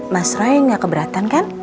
mas roy nggak keberatan kan